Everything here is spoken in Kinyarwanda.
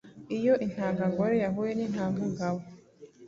Iyo intanga ngore yahuye n’intanga ngabo,